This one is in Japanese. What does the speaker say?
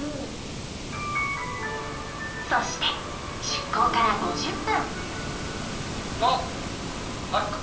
そして出航から５０分。